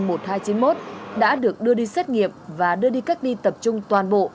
bệnh nhân một nghìn hai trăm chín mươi một đã được đưa đi xét nghiệm và đưa đi cách ly tập trung toàn bộ